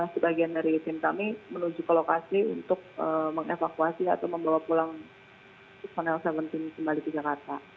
sebagian dari tim kami menuju ke lokasi untuk mengevakuasi atau membawa pulang personel tujuh belas kembali ke jakarta